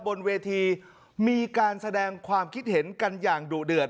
บนเวทีมีการแสดงความคิดเห็นกันอย่างดุเดือด